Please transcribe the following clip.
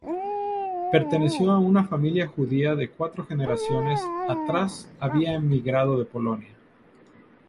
Perteneció a una familia judía que cuatro generaciones atrás había emigrado de Polonia.